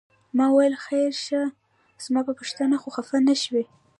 ما وویل خیر شه زما په پوښتنه خو خپه نه شوې؟